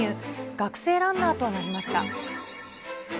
学生ランナーとなりました。